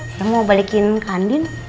saya mau balikin ke andien